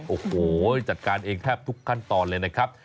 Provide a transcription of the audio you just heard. โอ้โหจัดการเองแทบทุกขั้นตอนเลยนะครับ